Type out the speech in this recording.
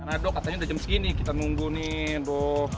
iya doh katanya udah jam segini kita nunggu nih doh